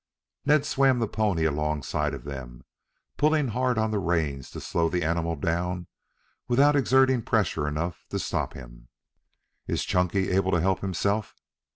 Ned swam the pony alongside of them, pulling hard on the reins to slow the animal down without exerting pressure enough to stop him. "Is Chunky able to help himself?"